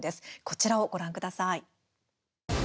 こちらをご覧ください。